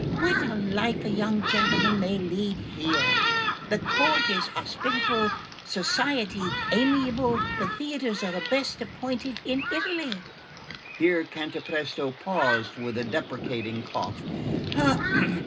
What a life a young gentleman may lead here! The court is hospitable, society amiable, the theatres are the best appointed in Italy." Here Cantapresto paused with a deprecating cough.